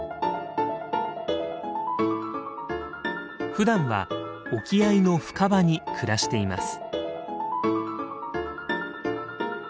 ふだんは沖合の深場に暮らしています。